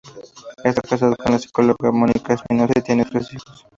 Está casado con la psicóloga Mónica Espinosa y tiene tres hijos.